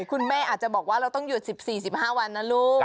คุณแม่อาจจะบอกว่าเราต้องหยุด๑๔๑๕วันนะลูก